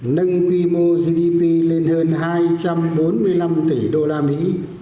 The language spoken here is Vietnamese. nâng quy mô gdp lên hơn hai trăm bốn mươi năm tỷ đô la mỹ